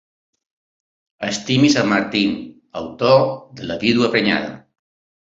Estimis en Martin, autor de La vídua prenyada.